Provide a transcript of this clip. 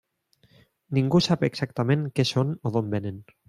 Ningú sap exactament que són o d'on vénen.